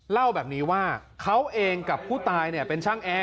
เล่าแบบนี้ว่าเขาเองกับผู้ตายเป็นช่างแอร์